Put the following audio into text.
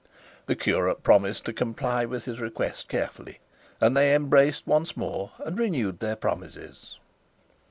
The curate promised to comply with his request carefully, and they embraced once more, and renewed their promises.